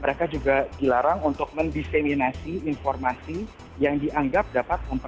mereka juga dilarang untuk mendiskriminasi informasi yang dianggap dapat